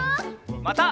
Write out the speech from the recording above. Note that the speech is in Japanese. また。